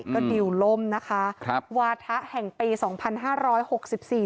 ก็ดิวล่มนะคะครับวาถะแห่งปีสองพันห้าร้อยหกสิบสี่